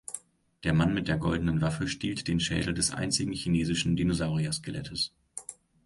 Der Mann mit der Goldenen Waffe stiehlt den Schädel des einzigen chinesischen Dinosaurier-Skelettes.